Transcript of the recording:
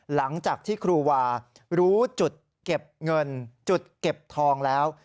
หลังจากที่ครูวารู้จุดเก็บเงินจุดเก็บทองแล้ว